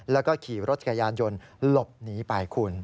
แล้วก็ขี่รถจักรยานยนต์หลบหนีไปคุณ